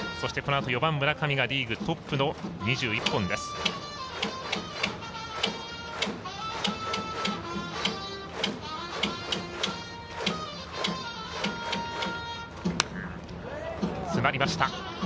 ４番村上がリーグトップの２１本です。